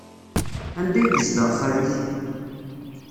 Anda ay yezdeɣ xali-k?